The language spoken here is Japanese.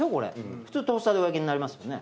普通トースターでお焼きになりますよね。